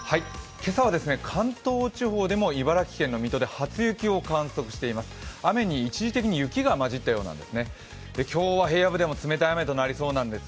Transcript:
今朝は関東地方でも茨城県の水戸で初雪を観測しています。